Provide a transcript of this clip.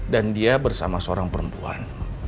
dan dia bersama seorang perempuan